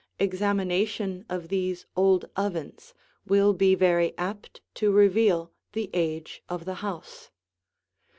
Examination of these old ovens will be very apt to reveal the age of the house.